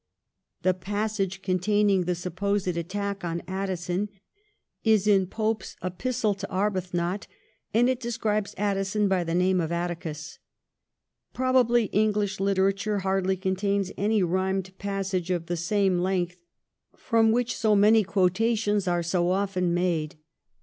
The passage containing the supposed attack on Addison is in Pope's ' Epistle to Arbuthnot,' and it describes Addison by the name of Atticus. Prob ably English literature hardly contains any rhymed passage of the same length from which so many VOL. II, U 290 THE EEIGN OF QUEEN ANNE. ch. xxxiv. quotations are so often made.